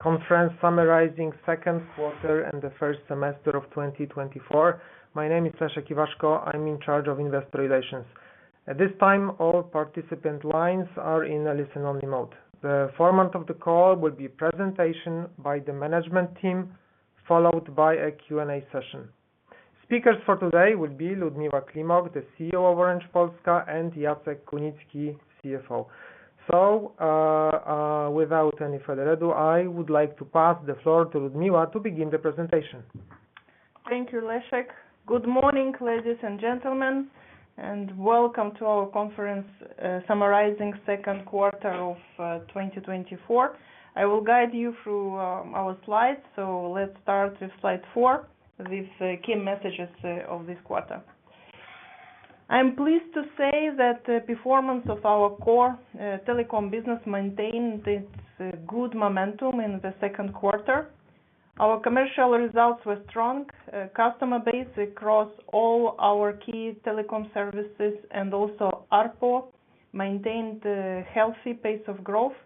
Conference summarizing second quarter and the first semester of 2024. My name is Leszek Iwaszko. I'm in charge of investor relations. At this time, all participant lines are in a listen-only mode. The format of the call will be a presentation by the management team, followed by a Q&A session. Speakers for today will be Liudmila Climoc, the CEO of Orange Polska, and Jacek Kunicki, CFO. So, without any further ado, I would like to pass the floor to Liudmila to begin the presentation. Thank you, Leszek. Good morning, ladies and gentlemen, and welcome to our conference summarizing second quarter of 2024. I will guide you through our slides, so let's start with slide four with key messages of this quarter. I'm pleased to say that the performance of our core telecom business maintained its good momentum in the second quarter. Our commercial results were strong. Customer base across all our key telecom services and also ARPO maintained a healthy pace of growth.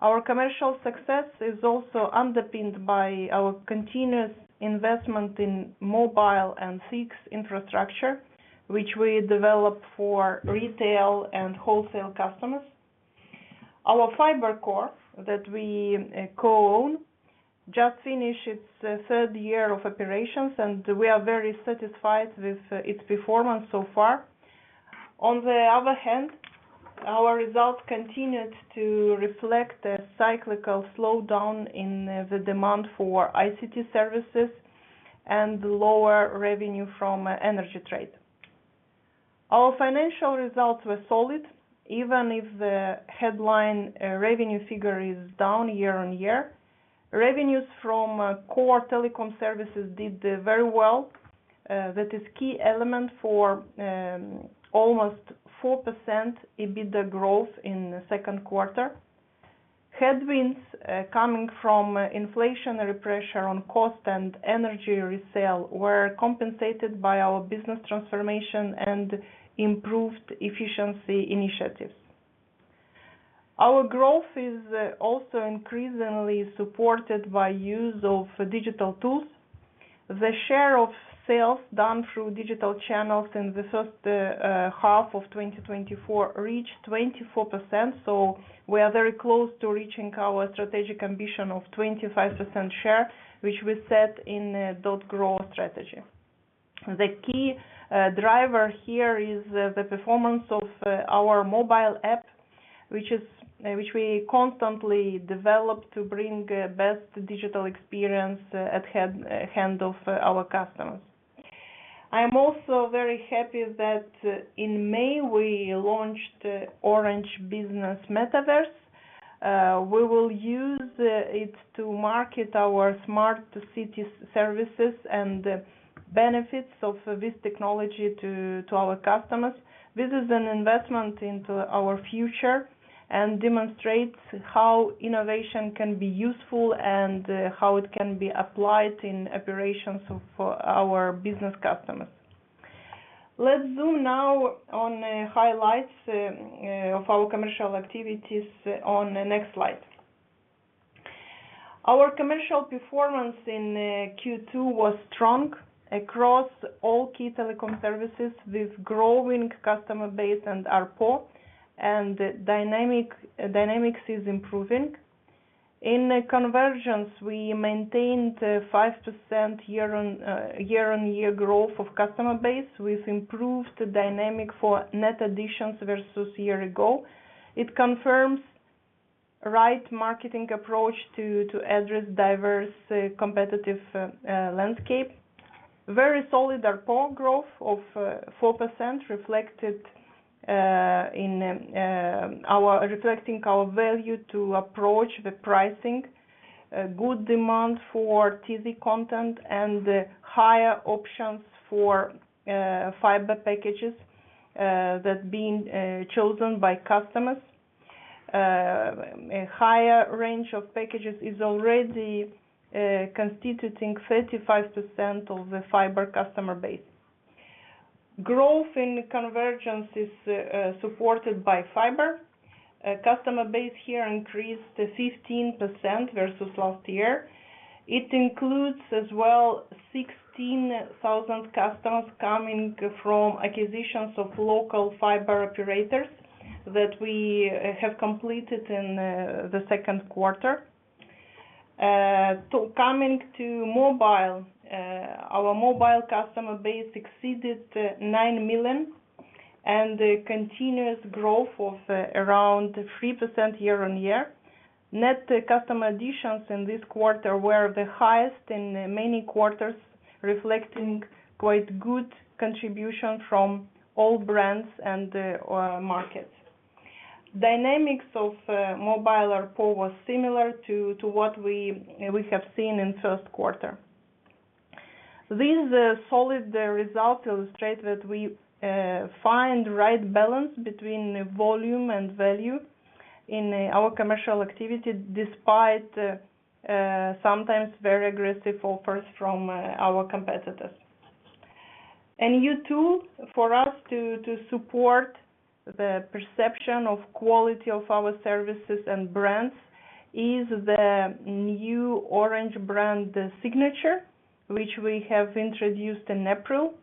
Our commercial success is also underpinned by our continuous investment in mobile and fixed infrastructure, which we develop for retail and wholesale customers. Our FiberCo that we co-own just finished its third year of operations, and we are very satisfied with its performance so far. On the other hand, our results continued to reflect a cyclical slowdown in the demand for ICT services and lower revenue from energy trade. Our financial results were solid, even if the headline revenue figure is down year-on-year. Revenues from core telecom services did very well. That is a key element for almost 4% EBITDA growth in the second quarter. Headwinds coming from inflationary pressure on cost and energy resale were compensated by our business transformation and improved efficiency initiatives. Our growth is also increasingly supported by use of digital tools. The share of sales done through digital channels in the first half of 2024 reached 24%, so we are very close to reaching our strategic ambition of 25% share, which we set in .Grow strategy. The key driver here is the performance of our mobile app, which we constantly develop to bring best digital experience at hand of our customers. I'm also very happy that in May we launched Orange Business Metaverse. We will use it to market our smart cities services and benefits of this technology to our customers. This is an investment into our future and demonstrates how innovation can be useful and how it can be applied in operations of our business customers. Let's zoom now on the highlights of our commercial activities on the next slide. Our commercial performance in Q2 was strong across all key telecom services with growing customer base and ARPO, and dynamics is improving. In convergence, we maintained 5% year-on-year growth of customer base with improved dynamic for net additions versus a year ago. It confirms the right marketing approach to address diverse competitive landscape. Very solid ARPO growth of 4% reflected in our reflecting our value to approach the pricing, good demand for TV content, and higher options for fiber packages that being chosen by customers. A higher range of packages is already constituting 35% of the fiber customer base. Growth in convergence is supported by fiber customer base here increased 15% versus last year. It includes as well 16,000 customers coming from acquisitions of local fiber operators that we have completed in the second quarter. Turning to mobile, our mobile customer base exceeded 9 million and continuous growth of around 3% year-on-year. Net customer additions in this quarter were the highest in many quarters, reflecting quite good contribution from all brands and markets. Dynamics of mobile ARPO was similar to what we have seen in first quarter. These solid results illustrate that we find the right balance between the volume and value in our commercial activity despite sometimes very aggressive offers from our competitors. A new tool for us to support the perception of quality of our services and brands is the new Orange Brand Signature, which we have introduced in April.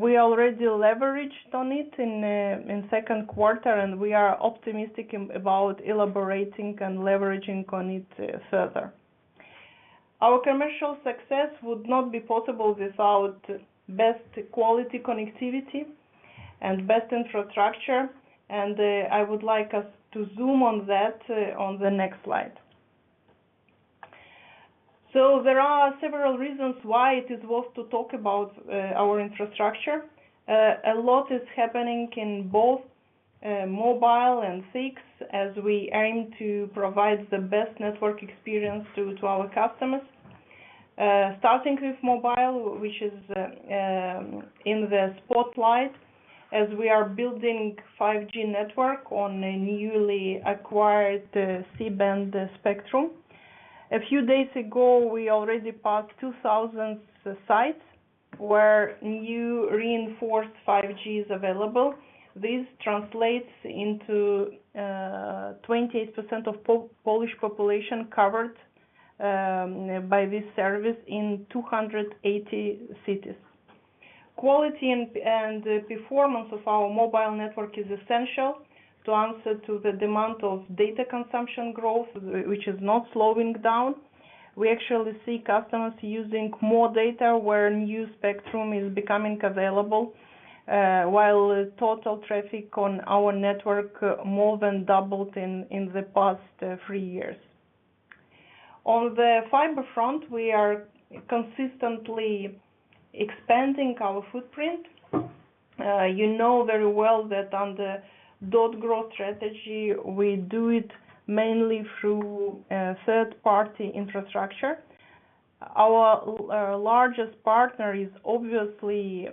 We already leveraged on it in second quarter, and we are optimistic about elaborating and leveraging on it, further. Our commercial success would not be possible without best quality connectivity and best infrastructure, and I would like us to zoom on that, on the next slide. So there are several reasons why it is worth to talk about our infrastructure. A lot is happening in both mobile and fixed as we aim to provide the best network experience to our customers. Starting with mobile, which is in the spotlight as we are building 5G network on a newly acquired C-band spectrum. A few days ago, we already passed 2,000 sites where new reinforced 5G is available. This translates into 28% of Polish population covered by this service in 280 cities. Quality and performance of our mobile network is essential to answer to the demand of data consumption growth, which is not slowing down. We actually see customers using more data where new spectrum is becoming available, while total traffic on our network more than doubled in the past three years. On the fiber front, we are consistently expanding our footprint. You know very well that under .Grow strategy, we do it mainly through third-party infrastructure. Our largest partner is obviously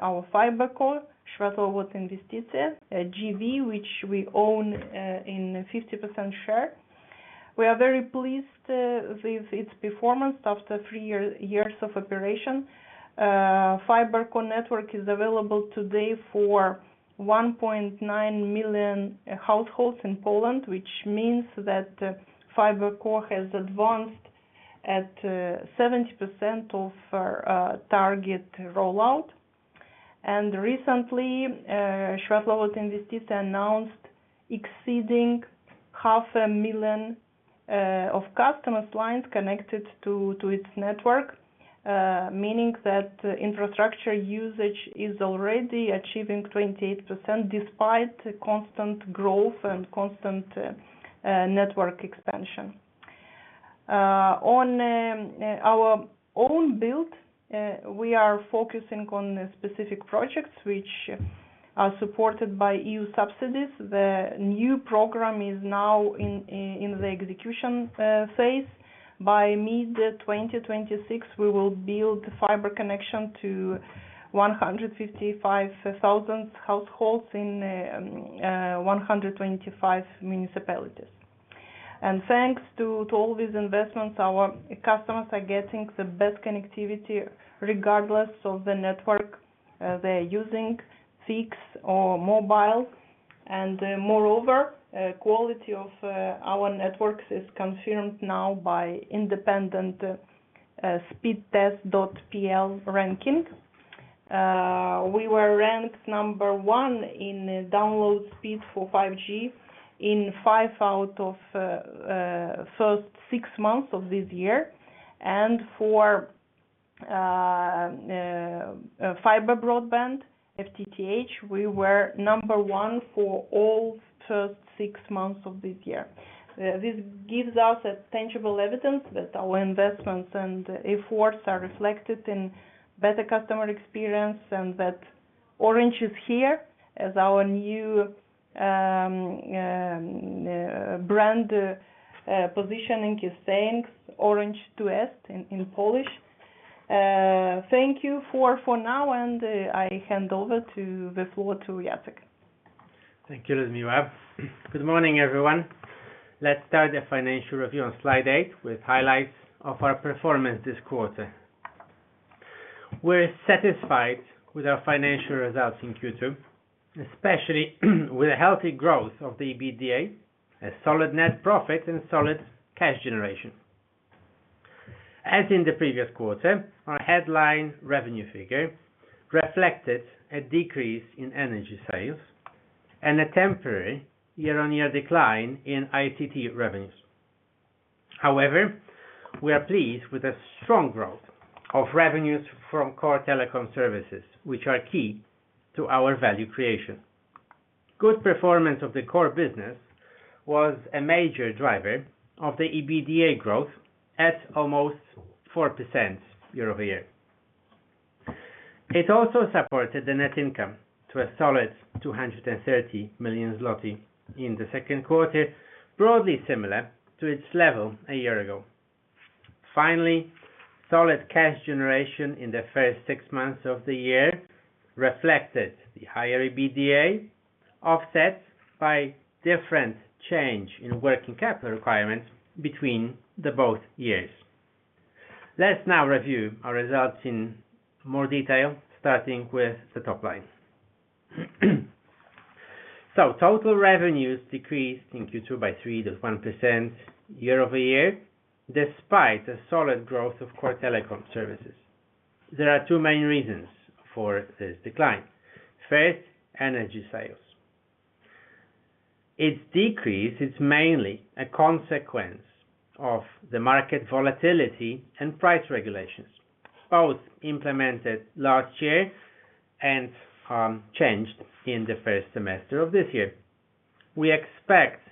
our FiberCo, Światłowód Inwestycje JV, which we own in 50% share. We are very pleased with its performance after three years of operation. FiberCo network is available today for 1.9 million households in Poland, which means that FiberCo has advanced at 70% of target rollout. And recently, Światłowód Inwestycje announced exceeding 500,000 of customers' lines connected to its network, meaning that infrastructure usage is already achieving 28% despite constant growth and constant network expansion. On our own build, we are focusing on specific projects which are supported by EU subsidies. The new program is now in the execution phase. By mid-2026, we will build fiber connection to 155,000 households in 125 municipalities. And thanks to all these investments, our customers are getting the best connectivity regardless of the network they're using, fixed or mobile. And, moreover, quality of our networks is confirmed now by independent speedtest.pl ranking. We were ranked number one in download speed for 5G in five out of the first six months of this year. And for fiber broadband, FTTH, we were number one for all the first six months of this year. This gives us tangible evidence that our investments and efforts are reflected in better customer experience and that Orange is here, as our new brand positioning is saying, Orange tu jest in Polish. Thank you for now, and I hand over to the floor to Jacek. Thank you, Liudmila. Good morning, everyone. Let's start the financial review on slide eight with highlights of our performance this quarter. We're satisfied with our financial results in Q2, especially with a healthy growth of the EBITDA, a solid net profit, and solid cash generation. As in the previous quarter, our headline revenue figure reflected a decrease in energy sales and a temporary year-on-year decline in ICT revenues. However, we are pleased with a strong growth of revenues from core telecom services, which are key to our value creation. Good performance of the core business was a major driver of the EBITDA growth at almost 4% year-over-year. It also supported the net income to a solid 230 million zloty in the second quarter, broadly similar to its level a year ago. Finally, solid cash generation in the first six months of the year reflected the higher EBITDA offset by different change in working capital requirements between the both years. Let's now review our results in more detail, starting with the top line. So total revenues decreased in Q2 by 3.1% year-over-year, despite a solid growth of core telecom services. There are two main reasons for this decline. First, energy sales. Its decrease is mainly a consequence of the market volatility and price regulations, both implemented last year and, changed in the first semester of this year. We expect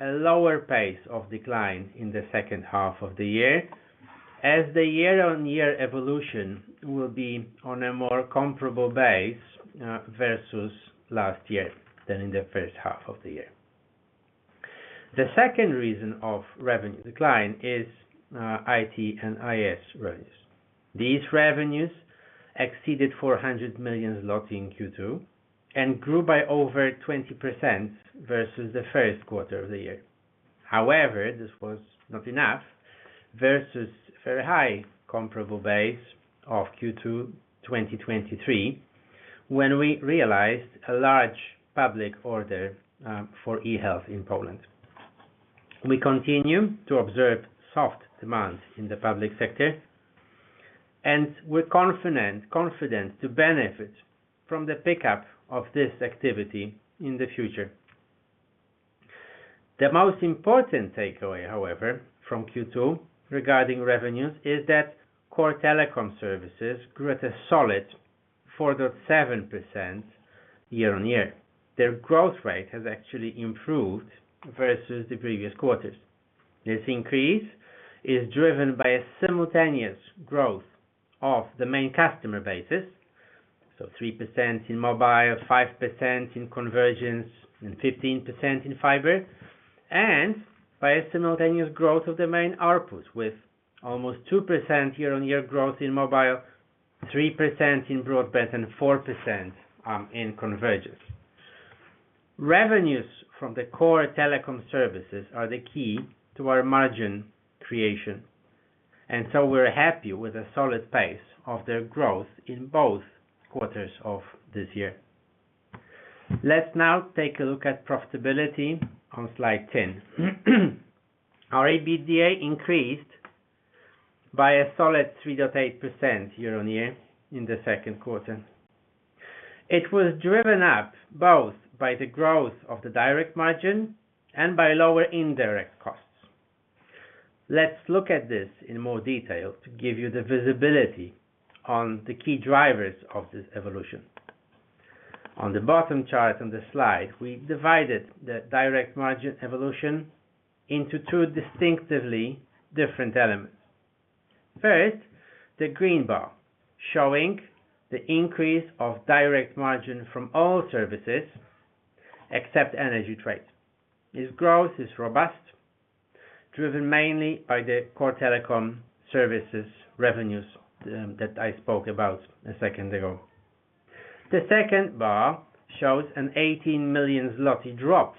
a lower pace of decline in the second half of the year as the year-on-year evolution will be on a more comparable base, versus last year than in the first half of the year. The second reason of revenue decline is, IT&S revenues. These revenues exceeded 400 million zloty in Q2 and grew by over 20% versus the first quarter of the year. However, this was not enough versus a very high comparable base of Q2 2023 when we realized a large public order for e-health in Poland. We continue to observe soft demand in the public sector, and we're confident to benefit from the pickup of this activity in the future. The most important takeaway, however, from Q2 regarding revenues is that core telecom services grew at a solid 4.7% year-on-year. Their growth rate has actually improved versus the previous quarters. This increase is driven by a simultaneous growth of the main customer basis, so 3% in mobile, 5% in convergence, and 15% in fiber, and by a simultaneous growth of the main ARPOs with almost 2% year-on-year growth in mobile, 3% in broadband, and 4% in convergence. Revenues from the core telecom services are the key to our margin creation, and so we're happy with a solid pace of their growth in both quarters of this year. Let's now take a look at profitability on slide 10. Our EBITDA increased by a solid 3.8% year-on-year in the second quarter. It was driven up both by the growth of the direct margin and by lower indirect costs. Let's look at this in more detail to give you the visibility on the key drivers of this evolution. On the bottom chart on the slide, we divided the direct margin evolution into two distinctively different elements. First, the green bar showing the increase of direct margin from all services except energy trade. Its growth is robust, driven mainly by the core telecom services revenues, that I spoke about a second ago. The second bar shows a 18 million zloty drop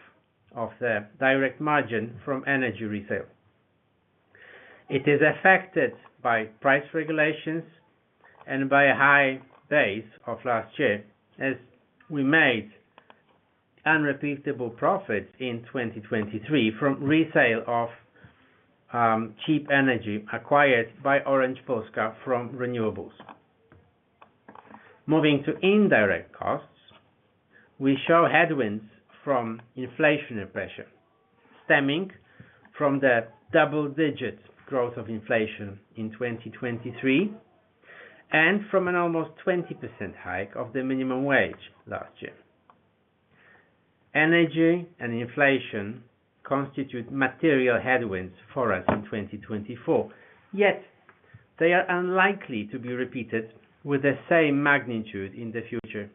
of the direct margin from energy resale. It is affected by price regulations and by a high base of last year, as we made unrepeatable profits in 2023 from resale of cheap energy acquired by Orange Polska from renewables. Moving to indirect costs, we show headwinds from inflationary pressure stemming from the double-digit growth of inflation in 2023 and from an almost 20% hike of the minimum wage last year. Energy and inflation constitute material headwinds for us in 2024, yet they are unlikely to be repeated with the same magnitude in the future,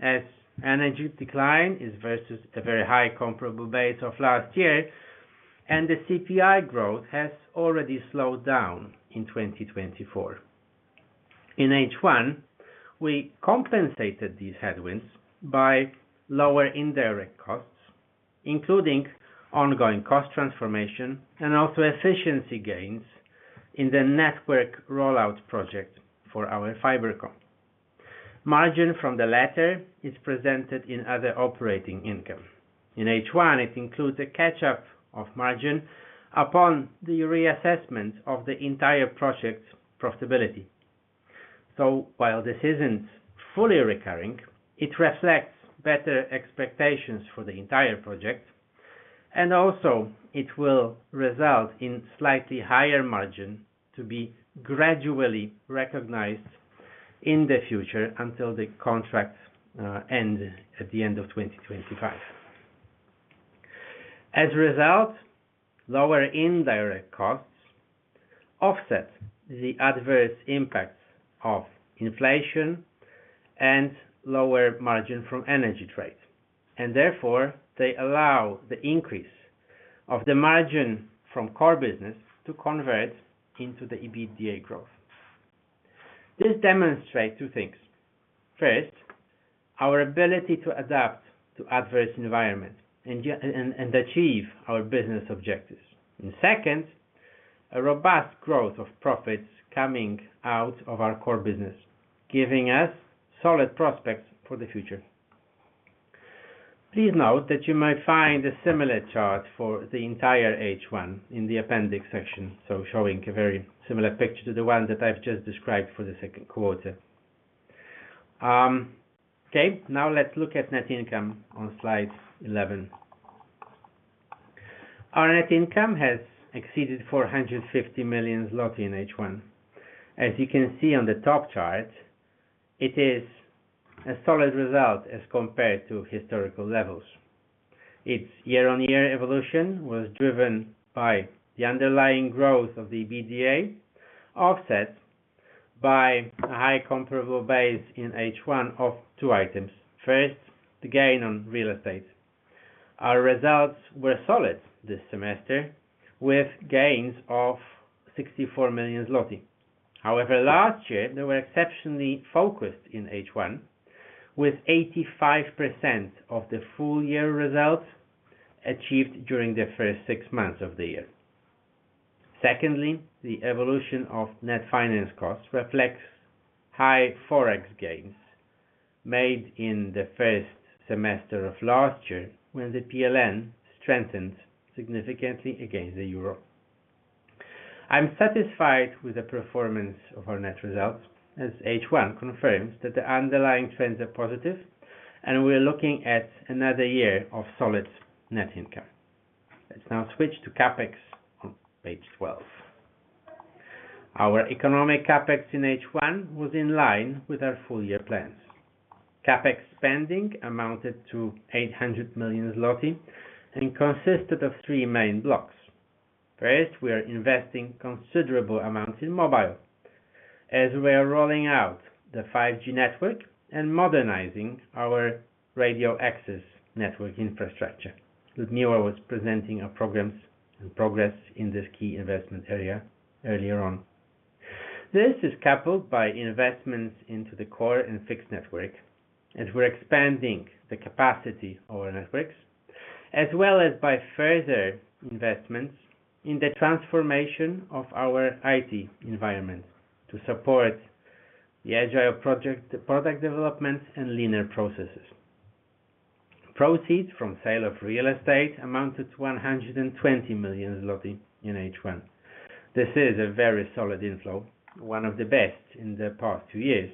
as energy decline is versus a very high comparable base of last year, and the CPI growth has already slowed down in 2024. In H1, we compensated these headwinds by lower indirect costs, including ongoing cost transformation and also efficiency gains in the network rollout project for our FiberCo. Margin from the latter is presented in other operating income. In H1, it includes a catch-up of margin upon the reassessment of the entire project's profitability. So while this isn't fully recurring, it reflects better expectations for the entire project, and also it will result in slightly higher margin to be gradually recognized in the future until the contracts end at the end of 2025. As a result, lower indirect costs offset the adverse impacts of inflation and lower margin from energy trade, and therefore they allow the increase of the margin from core business to convert into the EBITDA growth. This demonstrates two things. First, our ability to adapt to adverse environments and achieve our business objectives. And second, a robust growth of profits coming out of our core business, giving us solid prospects for the future. Please note that you may find a similar chart for the entire H1 in the appendix section, so showing a very similar picture to the one that I've just described for the second quarter. Okay, now let's look at net income on slide 11. Our net income has exceeded 450 million zloty in H1. As you can see on the top chart, it is a solid result as compared to historical levels. Its year-on-year evolution was driven by the underlying growth of the EBITDA, offset by a high comparable base in H1 of two items. First, the gain on real estate. Our results were solid this semester with gains of 64 million zloty. However, last year, they were exceptionally focused in H1, with 85% of the full-year results achieved during the first six months of the year. Secondly, the evolution of net finance costs reflects high forex gains made in the first semester of last year when the PLN strengthened significantly against the Euro. I'm satisfied with the performance of our net results as H1 confirms that the underlying trends are positive and we're looking at another year of solid net income. Let's now switch to CapEx on page 12. Our economic CapEx in H1 was in line with our full-year plans. CapEx spending amounted to 800 million zloty and consisted of three main blocks. First, we are investing considerable amounts in mobile as we are rolling out the 5G network and modernizing our radio access network infrastructure. Liudmila was presenting our programs and progress in this key investment area earlier on. This is coupled by investments into the core and fixed network as we're expanding the capacity of our networks, as well as by further investments in the transformation of our IT environment to support the agile project product development and leaner processes. Proceeds from sale of real estate amounted to 120 million zloty in H1. This is a very solid inflow, one of the best in the past two years,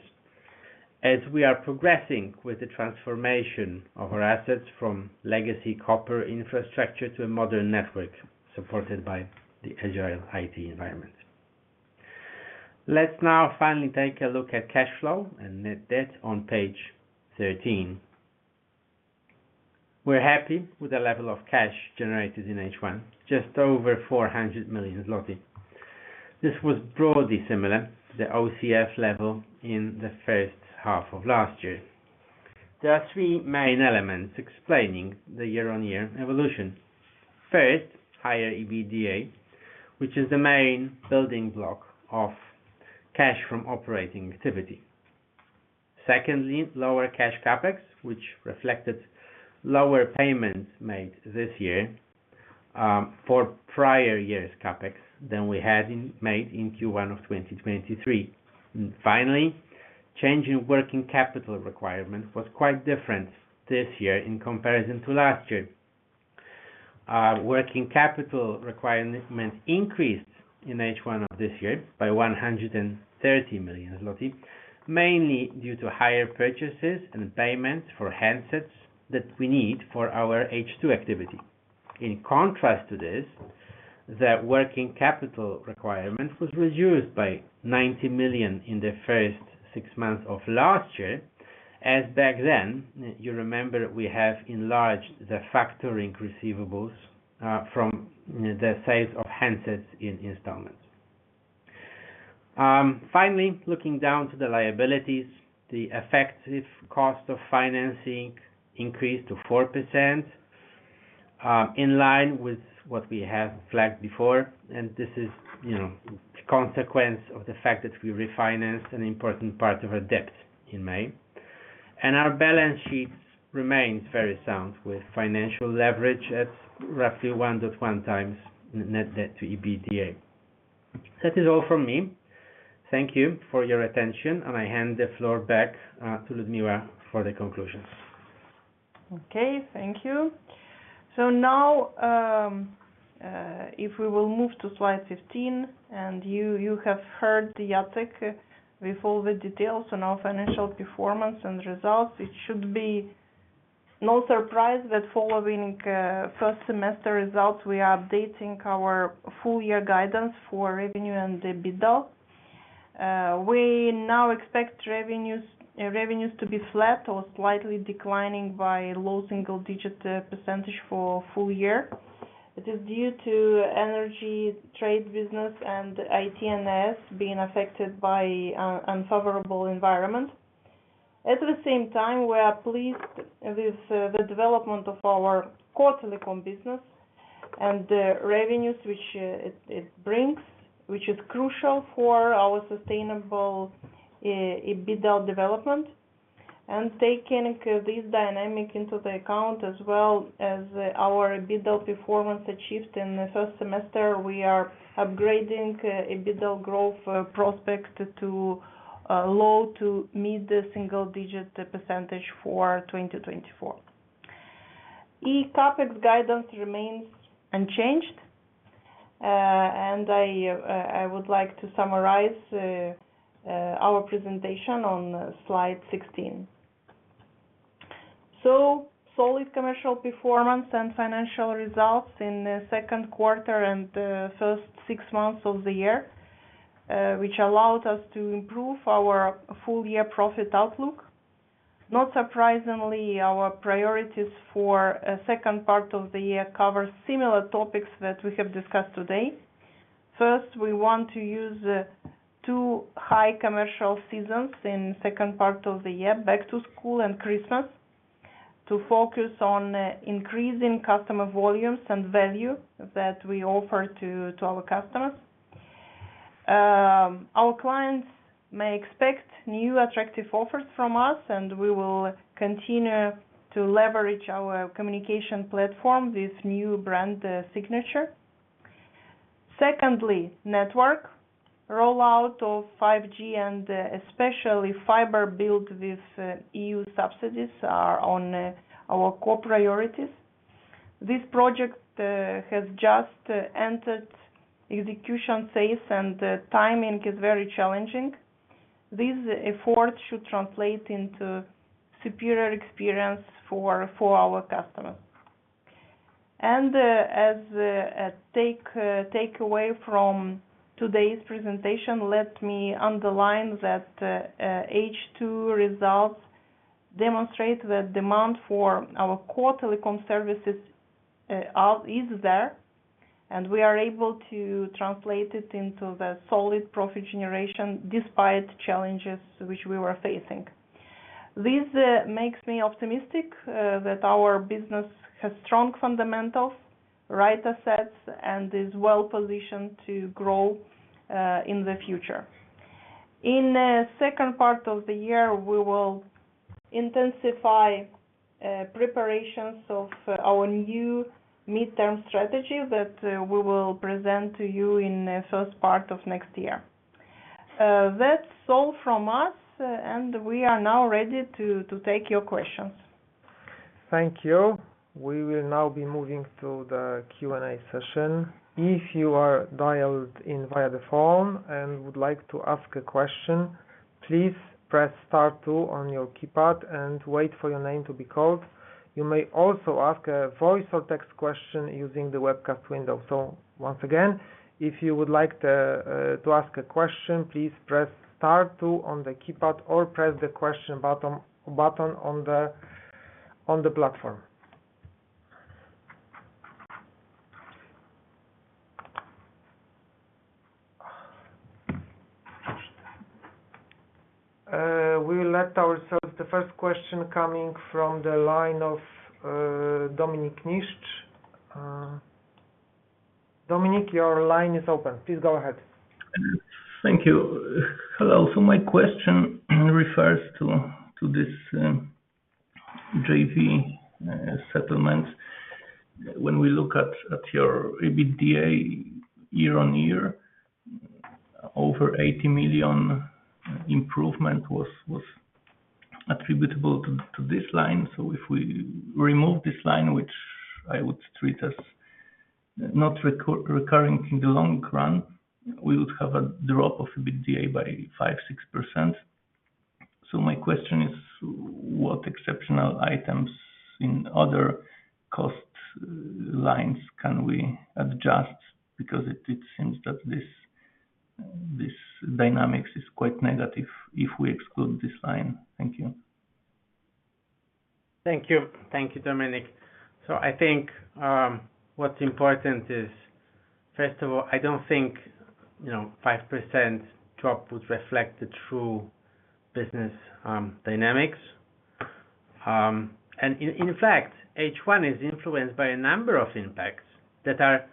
as we are progressing with the transformation of our assets from legacy copper infrastructure to a modern network supported by the agile IT environment. Let's now finally take a look at cash flow and net debt on page 13. We're happy with the level of cash generated in H1, just over 400 million zloty. This was broadly similar to the OCF level in the first half of last year. There are three main elements explaining the year-on-year evolution. First, higher EBITDA, which is the main building block of cash from operating activity. Secondly, lower cash CapEx, which reflected lower payments made this year, for prior year's CapEx than we had made in Q1 of 2023. And finally, changing working capital requirement was quite different this year in comparison to last year. Our working capital requirement increased in H1 of this year by 130 million zloty, mainly due to higher purchases and payments for handsets that we need for our H2 activity. In contrast to this, the working capital requirement was reduced by 90 million in the first six months of last year, as back then, you remember, we have enlarged the factoring receivables, from the sales of handsets in installments. Finally, looking down to the liabilities, the effective cost of financing increased to 4%, in line with what we have flagged before, and this is, you know, a consequence of the fact that we refinanced an important part of our debt in May. Our balance sheet remains very sound with financial leverage at roughly 1.1 times net debt to EBITDA. That is all from me. Thank you for your attention, and I hand the floor back to Liudmila for the conclusion. Okay, thank you. Now, if we will move to slide 15, and you have heard Jacek with all the details on our financial performance and results, it should be no surprise that following first semester results, we are updating our full-year guidance for revenue and EBITDA. We now expect revenues to be flat or slightly declining by low single-digit percentage for full year. It is due to energy trade business and IT&S being affected by an unfavorable environment. At the same time, we are pleased with the development of our core telecom business and the revenues which it brings, which is crucial for our sustainable, EBITDA development. And taking this dynamic into account, as well as our EBITDA performance achieved in the first semester, we are upgrading EBITDA growth prospect to low- to mid-single-digit percentage for 2024. eCapEx guidance remains unchanged, and I would like to summarize our presentation on slide 16. So solid commercial performance and financial results in the second quarter and the first six months of the year, which allowed us to improve our full-year profit outlook. Not surprisingly, our priorities for the second part of the year cover similar topics that we have discussed today. First, we want to use the two high commercial seasons in the second part of the year, back to school and Christmas, to focus on increasing customer volumes and value that we offer to our customers. Our clients may expect new attractive offers from us, and we will continue to leverage our communication platform with new brand signature. Secondly, network rollout of 5G and especially fiber built with EU subsidies are on our core priorities. This project has just entered execution phase, and the timing is very challenging. This effort should translate into superior experience for our customers. As a takeaway from today's presentation, let me underline that H2 results demonstrate that demand for our core telecom services is there, and we are able to translate it into the solid profit generation despite challenges which we were facing. This makes me optimistic that our business has strong fundamentals, right assets, and is well positioned to grow in the future. In the second part of the year, we will intensify preparations of our new midterm strategy that we will present to you in the first part of next year. That's all from us, and we are now ready to take your questions. Thank you. We will now be moving to the Q&A session. If you are dialed in via the phone and would like to ask a question, please press star two on your keypad and wait for your name to be called. You may also ask a voice or text question using the webcast window. So once again, if you would like to ask a question, please press star two on the keypad or press the question button on the platform. We will let ourselves the first question coming from the line of Dominik Niszcz. Dominik, your line is open. Please go ahead. Thank you. Hello. So my question refers to this JV settlement. When we look at your EBITDA year-on-year, over PLN 80 million improvement was attributable to this line. So if we remove this line, which I would treat as not recurring in the long run, we would have a drop of EBITDA by 5%-6%. So my question is, what exceptional items in other cost lines can we adjust? Because it seems that this dynamics is quite negative if we exclude this line. Thank you. Thank you. Thank you, Dominik. So I think, what's important is, first of all, I don't think, you know, 5% drop would reflect the true business dynamics. And in fact, H1 is influenced by a number of impacts that are,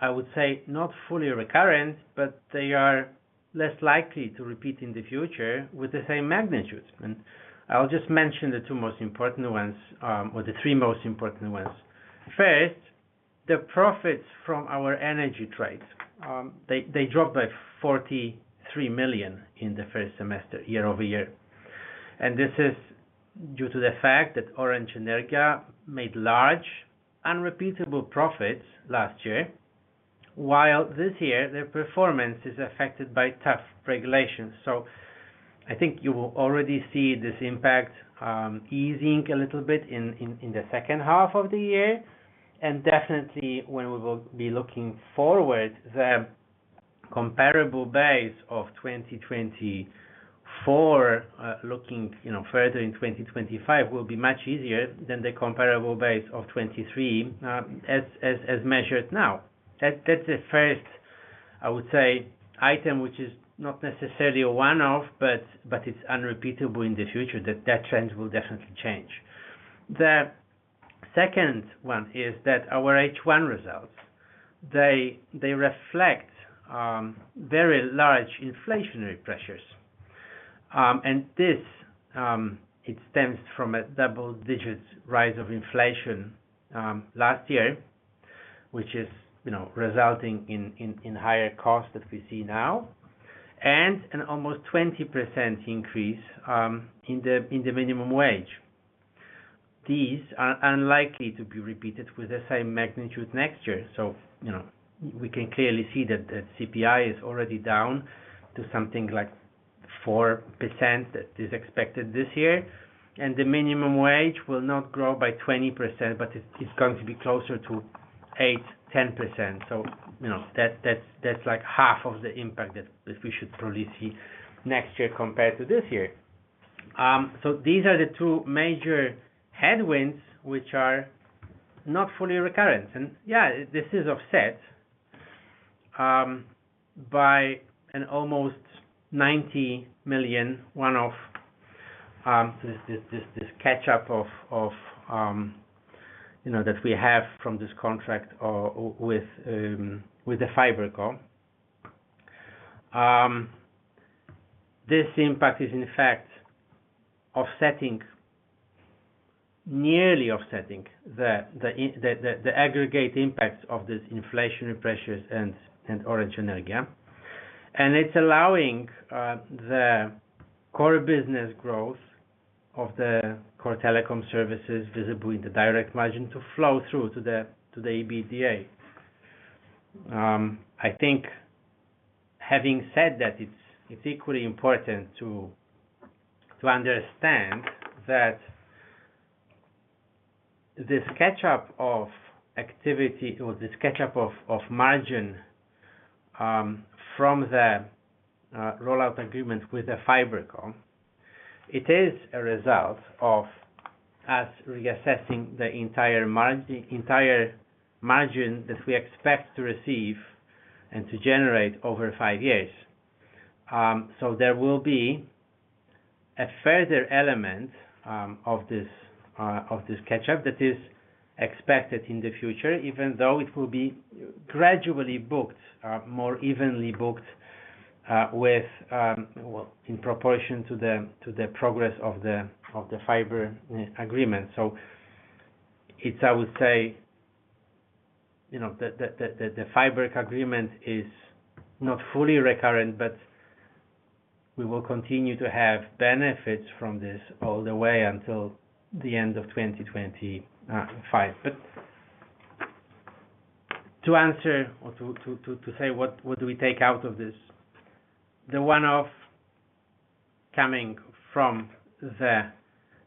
I would say, not fully recurrent, but they are less likely to repeat in the future with the same magnitude. And I'll just mention the two most important ones, or the three most important ones. First, the profits from our energy trades, they dropped by 43 million in the first semester year-over-year. And this is due to the fact that Orange Energia made large, unrepeatable profits last year, while this year their performance is affected by tough regulations. So I think you will already see this impact, easing a little bit in the second half of the year. Definitely, when we will be looking forward, the comparable base of 2024, looking, you know, further in 2025 will be much easier than the comparable base of 2023, as measured now. That's the first, I would say, item which is not necessarily a one-off, but it's unrepeatable in the future that trend will definitely change. The second one is that our H1 results, they reflect very large inflationary pressures. And this, it stems from a double-digit rise of inflation last year, which is, you know, resulting in higher costs that we see now, and an almost 20% increase in the minimum wage. These are unlikely to be repeated with the same magnitude next year. So, you know, we can clearly see that the CPI is already down to something like 4% that is expected this year. And the minimum wage will not grow by 20%, but it's going to be closer to 8%-10%. So, you know, that's like half of the impact that we should probably see next year compared to this year. So these are the two major headwinds which are not fully recurrent. And yeah, this is offset by an almost 90 million one-off, this catch-up of, you know, that we have from this contract with the FiberCoore. This impact is, in fact, offsetting, nearly offsetting the aggregate impacts of these inflationary pressures and Orange Energia. And it's allowing the core business growth of the core telecom services visible in the direct margin to flow through to the EBITDA. I think having said that, it's equally important to understand that this catch-up of activity or this catch-up of margin from the rollout agreement with the FiberCo, it is a result of us reassessing the entire margin, entire margin that we expect to receive and to generate over five years. So there will be a further element of this catch-up that is expected in the future, even though it will be gradually booked, more evenly booked, with well, in proportion to the progress of the fiber agreement. So it's, I would say, you know, the fiber agreement is not fully recurrent, but we will continue to have benefits from this all the way until the end of 2025. But to answer or to say what do we take out of this, the one-off coming from the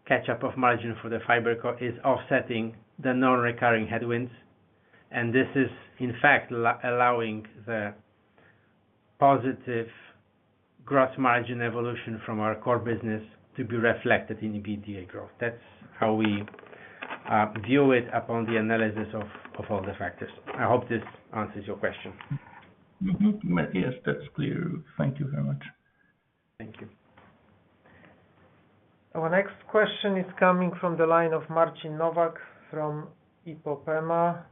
catch-up of margin for the fiber call is offsetting the non-recurring headwinds. And this is, in fact, allowing the positive gross margin evolution from our core business to be reflected in EBITDA growth. That's how we view it upon the analysis of all the factors. I hope this answers your question. Mm-hmm. Yes, that's clear. Thank you very much. Thank you. Our next question is coming from the line of Marcin Nowak from IPOPEMA.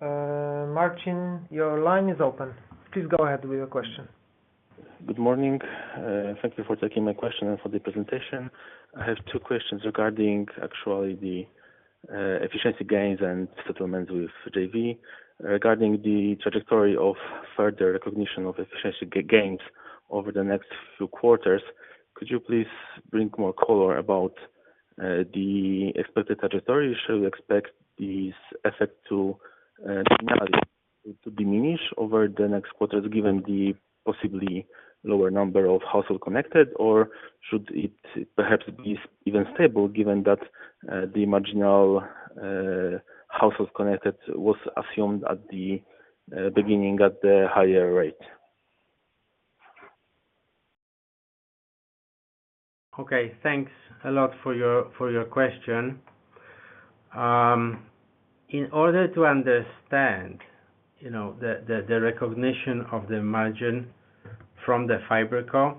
Marcin, your line is open. Please go ahead with your question. Good morning. Thank you for taking my question and for the presentation. I have two questions regarding actually the efficiency gains and settlements with JV regarding the trajectory of further recognition of efficiency gains over the next few quarters. Could you please bring more color about the expected trajectory? Should we expect these effects to diminish over the next quarters given the possibly lower number of households connected, or should it perhaps be even stable given that the marginal households connected was assumed at the beginning at the higher rate? Okay. Thanks a lot for your question. In order to understand, you know, the recognition of the margin from the FiberCo,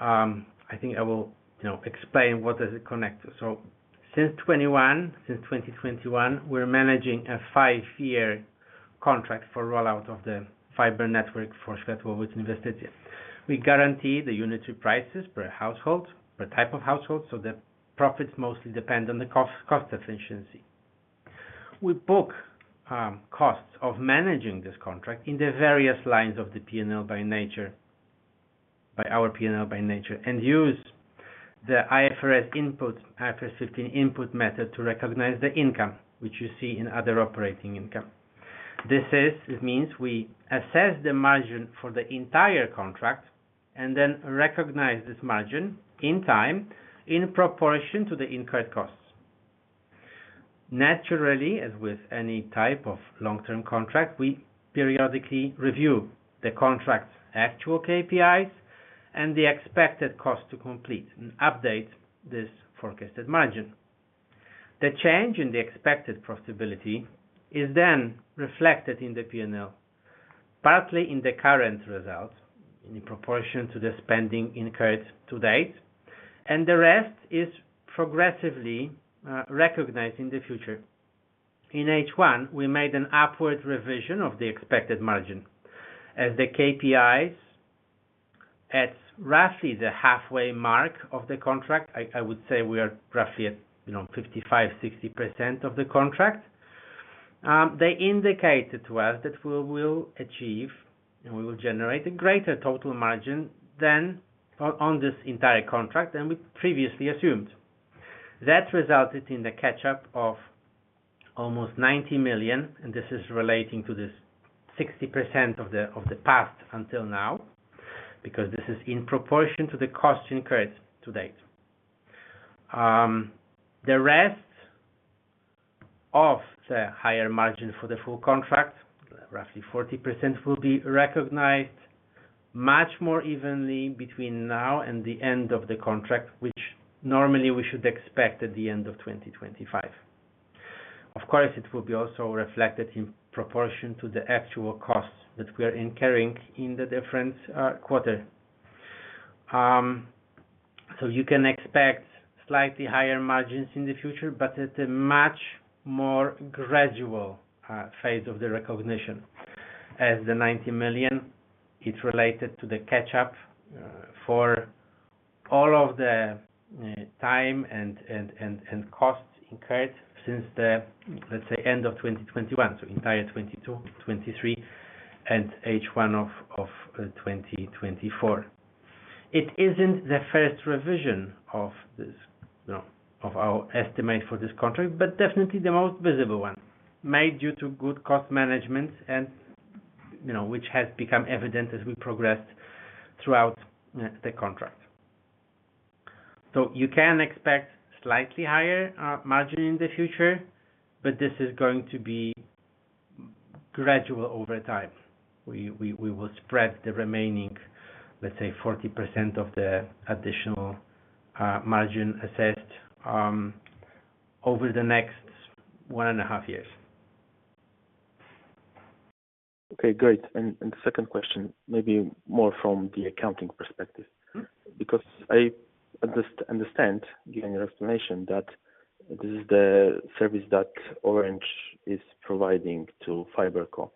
I think I will, you know, explain what does it connect to. So since 2021, since 2021, we're managing a five-year contract for rollout of the fiber network for Światłowód Inwestycje. We guarantee the unitary prices per household, per type of household, so the profits mostly depend on the cost, cost efficiency. We book costs of managing this contract in the various lines of the P&L by nature, by our P&L by nature, and use the IFRS input, IFRS 15 input method to recognize the income, which you see in other operating income. This is, it means we assess the margin for the entire contract and then recognize this margin in time in proportion to the incurred costs. Naturally, as with any type of long-term contract, we periodically review the contract's actual KPIs and the expected cost to complete and update this forecasted margin. The change in the expected profitability is then reflected in the P&L, partly in the current result in proportion to the spending incurred to date, and the rest is progressively recognized in the future. In H1, we made an upward revision of the expected margin. As the KPIs at roughly the halfway mark of the contract, I would say we are roughly at, you know, 55%-60% of the contract. They indicated to us that we will achieve and we will generate a greater total margin than on this entire contract than we previously assumed. That resulted in the catch-up of almost 90 million, and this is relating to this 60% of the past until now because this is in proportion to the cost incurred to date. The rest of the higher margin for the full contract, roughly 40%, will be recognized much more evenly between now and the end of the contract, which normally we should expect at the end of 2025. Of course, it will be also reflected in proportion to the actual costs that we are incurring in the difference, quarter. So you can expect slightly higher margins in the future, but at a much more gradual phase of the recognition as the 90 million it related to the catch-up for all of the time and costs incurred since the, let's say, end of 2021, so entire 2022, 2023, and H1 of 2024. It isn't the first revision of this, you know, of our estimate for this contract, but definitely the most visible one made due to good cost management and, you know, which has become evident as we progressed throughout the contract. So you can expect slightly higher margin in the future, but this is going to be gradual over time. We will spread the remaining, let's say, 40% of the additional margin assessed, over the next one and a half years. Okay. Great. And the second question, maybe more from the accounting perspective, because I understand given your explanation that this is the service that Orange is providing to FiberCo,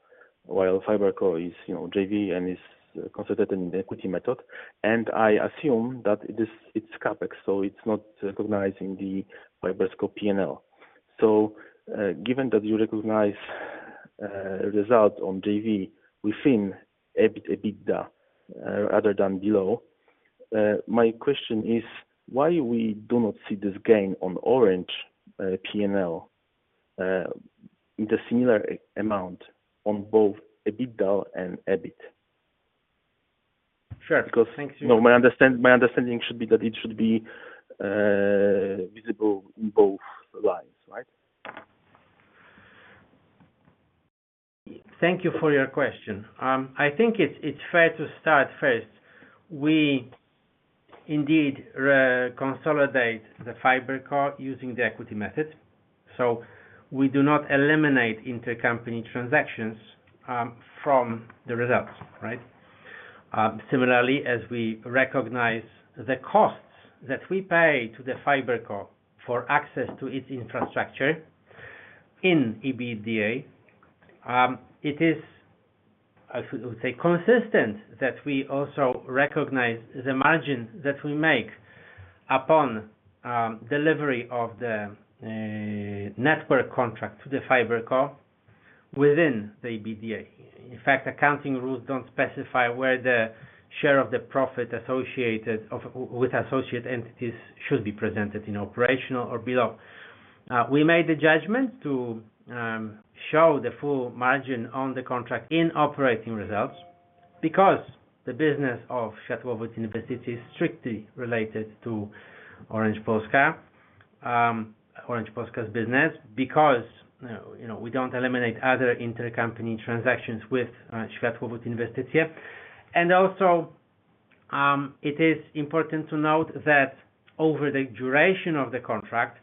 while FiberCo is, you know, JV and is accounted in the equity method. And I assume that it is, it's CapEx, so it's not recognizing the FiberCo P&L. So, given that you recognize result on JV within EBITDA, rather than below, my question is, why we do not see this gain on Orange P&L, in the similar amount on both EBITDA and EBIT? Sure. Because you know, my understanding should be that it should be visible in both lines, right? Thank you for your question. I think it's fair to start first. We indeed consolidate the FiberCo using the equity method. So we do not eliminate intercompany transactions from the results, right? Similarly, as we recognize the costs that we pay to the FiberCo for access to its infrastructure in EBITDA, it is, I would say, consistent that we also recognize the margin that we make upon delivery of the network contract to the FiberCo within the EBITDA. In fact, accounting rules don't specify where the share of the profit associated with associate entities should be presented in operational or below. We made the judgment to show the full margin on the contract in operating results because the business of Światłowód Inwestycje is strictly related to Orange Polska, Orange Polska's business, because, you know, we don't eliminate other intercompany transactions with Światłowód Inwestycje. Also, it is important to note that over the duration of the contract,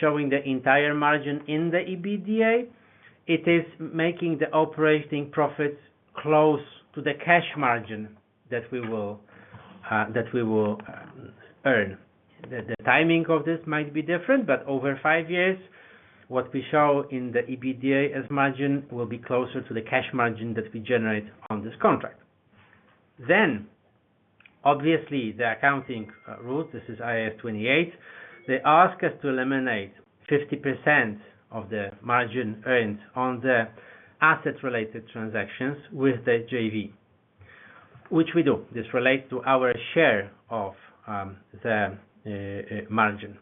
showing the entire margin in the EBITDA, it is making the operating profits close to the cash margin that we will earn. The timing of this might be different, but over five years, what we show in the EBITDA as margin will be closer to the cash margin that we generate on this contract. Then, obviously, the accounting rules, this is IAS 28, they ask us to eliminate 50% of the margin earned on the asset-related transactions with the JV, which we do. This relates to our share of the margin.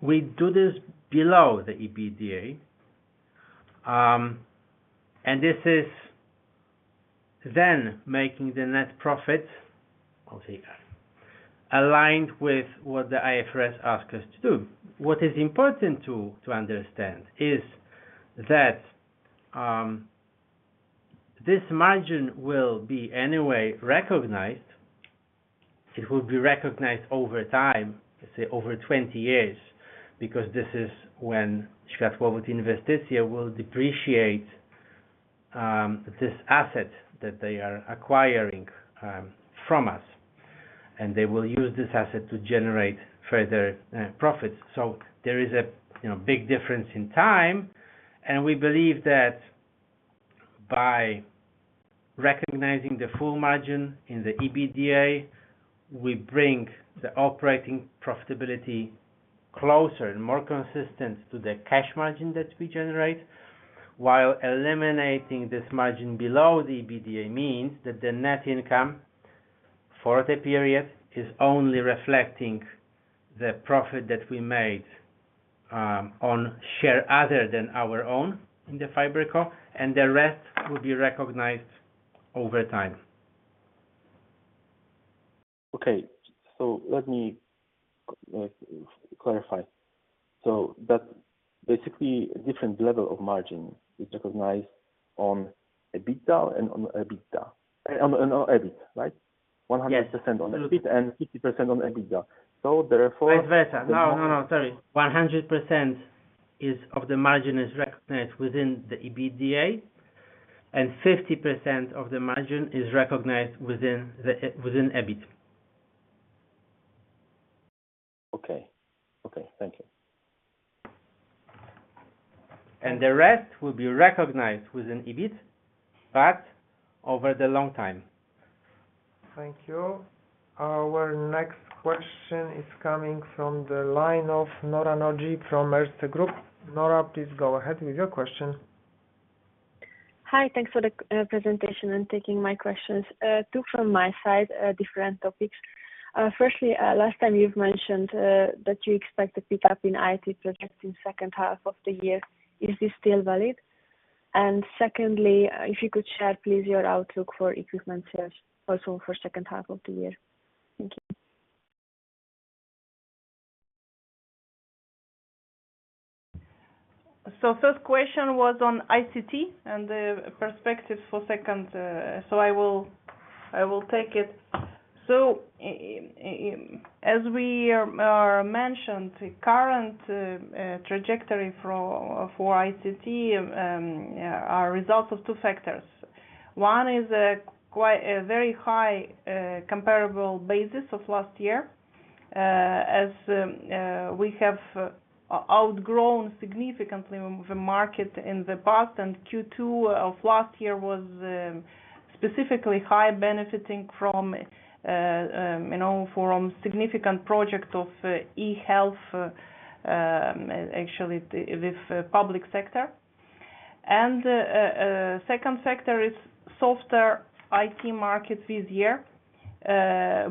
We do this below the EBITDA, and this is then making the net profit, I'll say, aligned with what the IFRS asks us to do. What is important to understand is that this margin will be anyway recognized. It will be recognized over time, let's say over 20 years, because this is when Światłowód Inwestycje will depreciate this asset that they are acquiring from us, and they will use this asset to generate further profits. So there is, you know, big difference in time, and we believe that by recognizing the full margin in the EBITDA, we bring the operating profitability closer and more consistent to the cash margin that we generate, while eliminating this margin below the EBITDA means that the net income for the period is only reflecting the profit that we made on share other than our own in the FiberCo, and the rest will be recognized over time. Okay. So let me clarify. So that basically a different level of margin is recognized on EBITDA and on EBITDA, and on EBIT, right? 100% on EBIT and 50% on EBITDA. So therefore, Beta, no, no, no, sorry. 100% of the margin is recognized within the EBITDA, and 50% of the margin is recognized within the, within EBIT. Okay. Okay. Thank you. And the rest will be recognized within EBIT, but over the long time. Thank you. Our next question is coming from the line of Nora Nagy from Erste Group. Nora, please go ahead with your question. Hi. Thanks for the presentation and taking my questions. Two from my side, different topics. Firstly, last time you've mentioned that you expect a pickup in IT projects in second half of the year. Is this still valid? And secondly, if you could share, please, your outlook for equipment sales also for second half of the year. Thank you. So first question was on ICT and the perspectives for second, so I will, I will take it. So, as we mentioned, the current trajectory for ICT are results of two factors. One is quite a very high comparable basis of last year, as we have outgrown significantly the market in the past, and Q2 of last year was specifically high, benefiting from, you know, from significant project of e-health, actually with public sector. And second factor is softer IT market this year,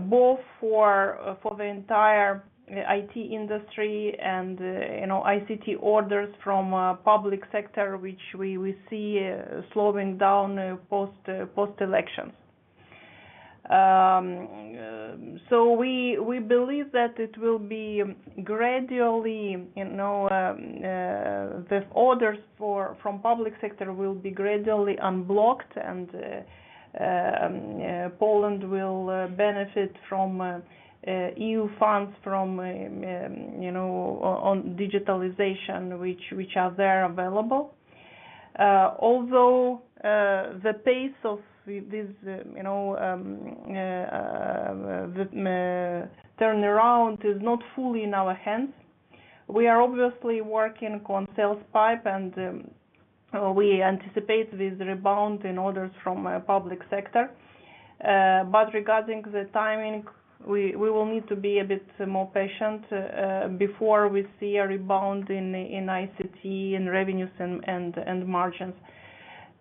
both for the entire IT industry and, you know, ICT orders from public sector, which we see slowing down post-elections. So we believe that it will be gradually, you know, the orders from public sector will be gradually unblocked, and Poland will benefit from EU funds, you know, on digitalization, which are there available. Although the pace of this, you know, turnaround is not fully in our hands, we are obviously working on sales pipe, and we anticipate this rebound in orders from public sector. But regarding the timing, we will need to be a bit more patient before we see a rebound in ICT and revenues and margins.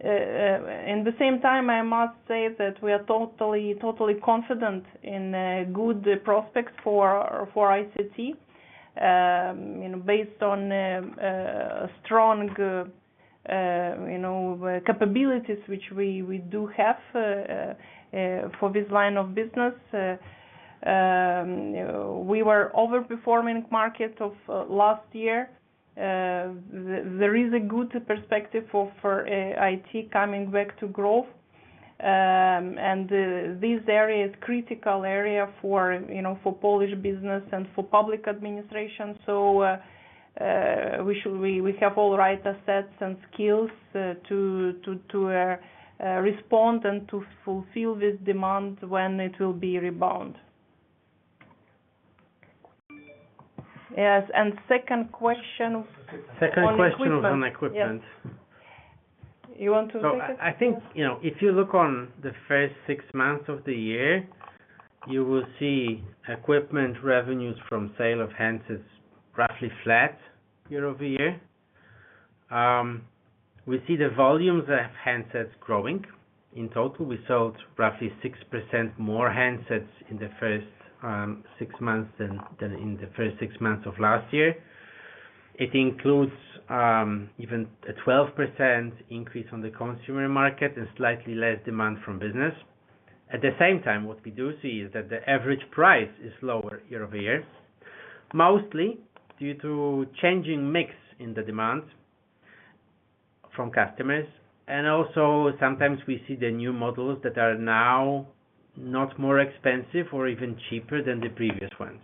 In the same time, I must say that we are totally confident in good prospects for ICT, you know, based on strong, you know, capabilities, which we do have, for this line of business. We were overperforming market of last year. There is a good perspective for IT coming back to growth. And this area is critical area for, you know, for Polish business and for public administration. So, we should have all right assets and skills to respond and to fulfill this demand when it will be rebound. Yes. And second question on equipment. You want to take that? So, I think, you know, if you look on the first six months of the year, you will see equipment revenues from sale of handsets roughly flat year-over-year. We see the volumes of handsets growing in total. We sold roughly 6% more handsets in the first six months than in the first six months of last year. It includes even a 12% increase on the consumer market and slightly less demand from business. At the same time, what we do see is that the average price is lower year-over-year, mostly due to changing mix in the demand from customers. Also, sometimes we see the new models that are now not more expensive or even cheaper than the previous ones.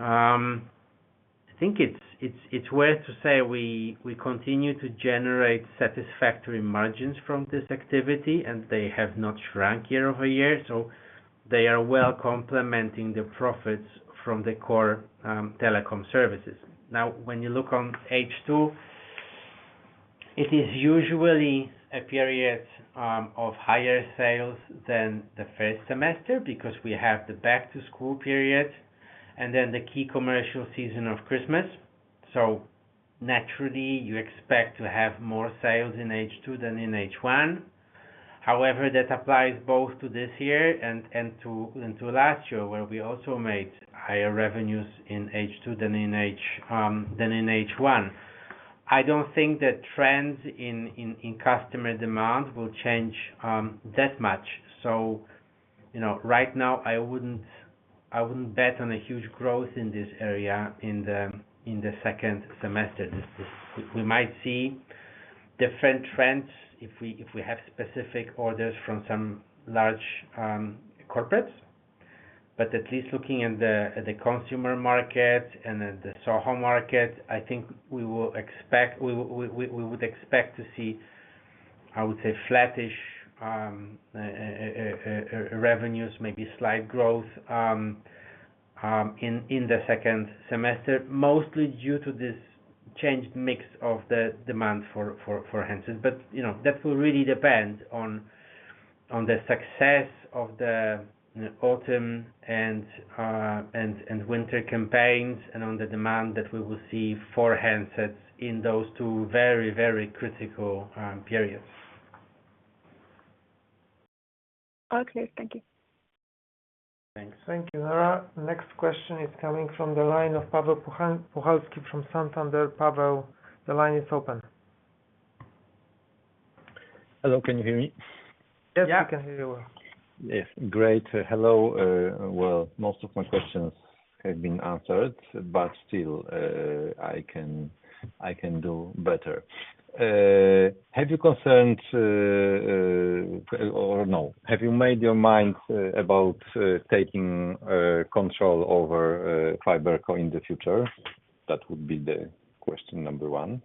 I think it's worth to say we continue to generate satisfactory margins from this activity, and they have not shrank year-over-year. So they are well complementing the profits from the core, telecom services. Now, when you look on H2, it is usually a period of higher sales than the first semester because we have the back-to-school period and then the key commercial season of Christmas. So naturally, you expect to have more sales in H2 than in H1. However, that applies both to this year and to last year, where we also made higher revenues in H2 than in H1. I don't think that trends in customer demand will change that much. So, you know, right now, I wouldn't bet on a huge growth in this area in the second semester. This we might see different trends if we have specific orders from some large corporates. But at least looking at the consumer market and at the SOHO market, I think we would expect to see, I would say, flattish revenues, maybe slight growth, in the second semester, mostly due to this changed mix of the demand for handsets. But, you know, that will really depend on the success of the autumn and winter campaigns and on the demand that we will see for handsets in those two very critical periods. Okay. Thank you. Thanks. Thank you, Nora. Next question is coming from the line of Paweł Puchalski from Santander. Paweł, the line is open. Hello. Can you hear me? Yes, we can hear you well. Yes. Great. Hello. Well, most of my questions have been answered, but still, I can do better. Have you concerned, or no, have you made your mind about taking control over FiberCo in the future? That would be the question number one.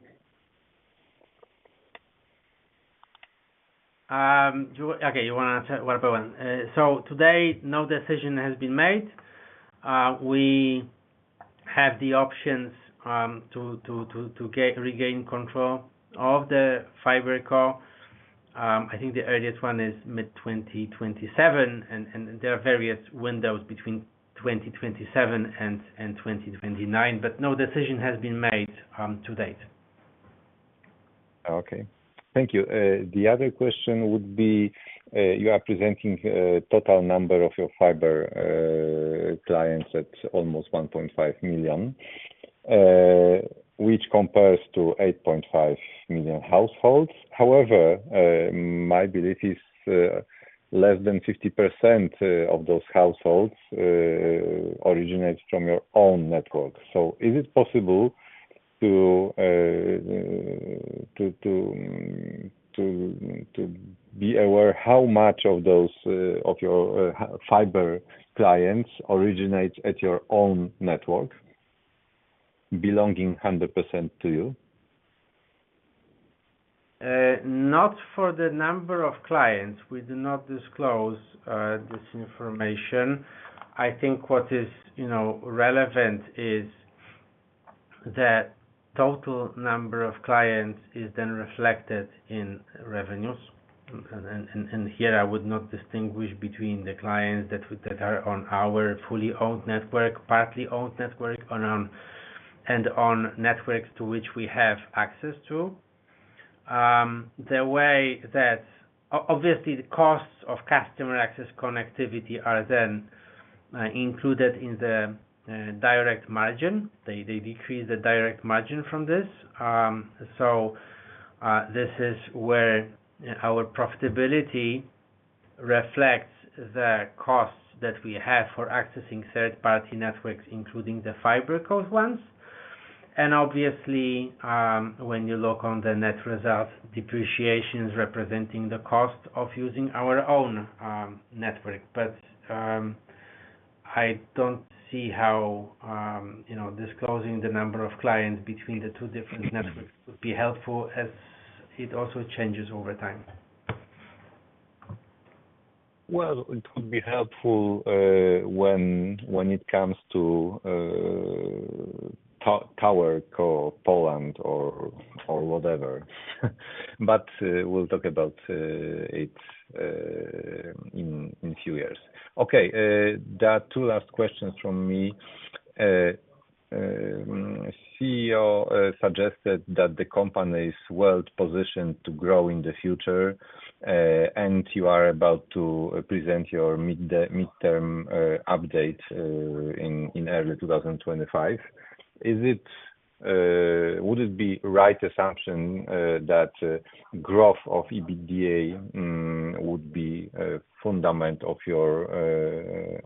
Okay. You want to answer one by one? So today, no decision has been made. We have the options to regain control of the FiberCo. I think the earliest one is mid-2027, and there are various windows between 2027 and 2029, but no decision has been made to date. Okay. Thank you. The other question would be, you are presenting total number of your fiber clients at almost 1.5 million, which compares to 8.5 million households. However, my belief is, less than 50% of those households originates from your own network. So is it possible to be aware how much of those, of your, fiber clients originates at your own network, belonging 100% to you? Not for the number of clients. We do not disclose this information. I think what is, you know, relevant is that total number of clients is then reflected in revenues. And here, I would not distinguish between the clients that are on our fully owned network, partly owned network, and on networks to which we have access to. The way that, obviously, the costs of customer access connectivity are then included in the direct margin. They decrease the direct margin from this. This is where our profitability reflects the costs that we have for accessing third-party networks, including the FiberCo ones. Obviously, when you look on the net result, depreciation is representing the cost of using our own network. But I don't see how, you know, disclosing the number of clients between the two different networks would be helpful as it also changes over time. Well, it would be helpful when it comes to TowerCo Poland or whatever. We'll talk about it in a few years. Okay. There are two last questions from me. CEO suggested that the company is well positioned to grow in the future, and you are about to present your mid-term update in early 2025. Would it be right assumption that growth of EBITDA would be fundamental of your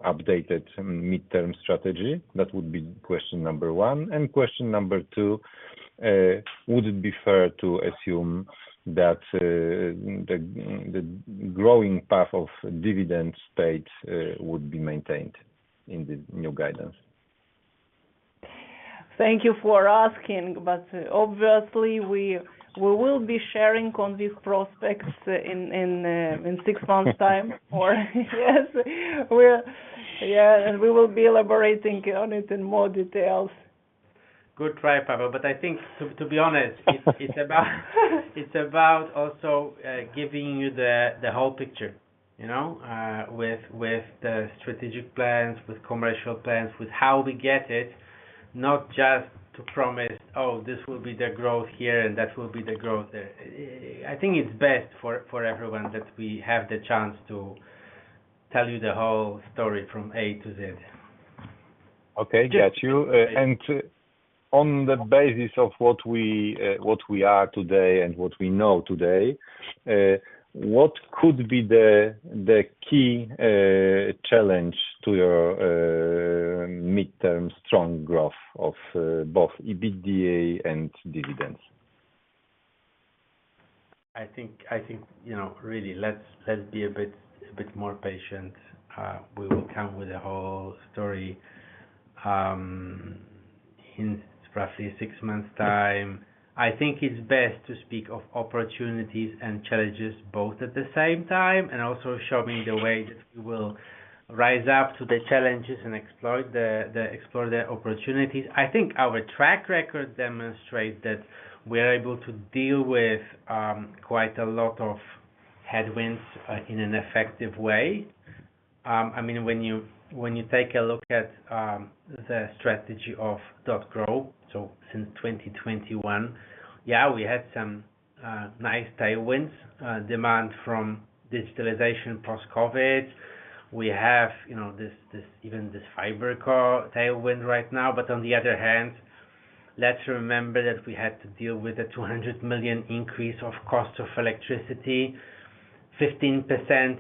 updated mid-term strategy? That would be question number one. Question number two, would it be fair to assume that, the, the growing path of dividend state, would be maintained in the new guidance? Thank you for asking, but obviously, we, we will be sharing on these prospects in, in, in six months' time or yes, we're, yeah, and we will be elaborating on it in more details. Good try, Paweł. I think, to, to be honest, it's, it's about, it's about also, giving you the, the whole picture, you know, with, with the strategic plans, with commercial plans, with how we get it, not just to promise, "Oh, this will be the growth here, and that will be the growth there." I think it's best for, for everyone that we have the chance to tell you the whole story from A to Z. Okay. Got you. On the basis of what we are today and what we know today, what could be the key challenge to your mid-term strong growth of both EBITDA and dividends? I think, you know, really, let's be a bit more patient. We will come with a whole story in roughly six months' time. I think it's best to speak of opportunities and challenges both at the same time and also showing the way that we will rise up to the challenges and exploit the, explore the opportunities. I think our track record demonstrates that we are able to deal with quite a lot of headwinds in an effective way. I mean, when you take a look at the strategy of .Grow, so since 2021, yeah, we had some nice tailwinds, demand from digitalization post-COVID. We have, you know, this, this even this fiber call tailwind right now. But on the other hand, let's remember that we had to deal with a 200 million increase of cost of electricity, 15%